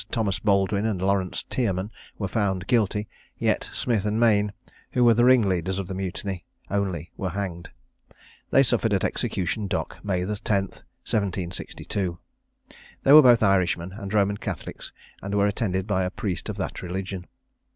Thomas Baldwin and Laurence Tierman, were found guilty, yet Smith and Mayne, who were the ringleaders of the mutiny, only were hanged. They suffered at Execution Dock, May the 10th, 1762. They were both Irishmen, and Roman Catholics, and were attended by a priest of that religion.